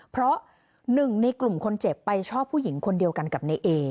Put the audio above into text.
เพราะหนึ่งในกลุ่มคนเจ็บไปชอบผู้หญิงคนเดียวกันกับในเอ